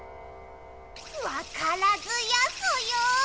わからずやソヨ！